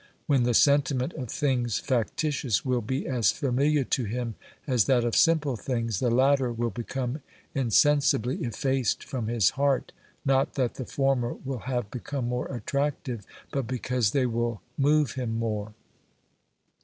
When the sentiment of things factitious will be as familiar to him as that of simple things, the latter 232 OBERMANN will become insensibly effaced from his heart, not that the former will have become more attractive, but because they will move him more.